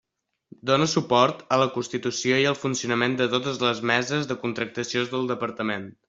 Dóna suport a la constitució i el funcionament de totes les meses de contractacions del Departament.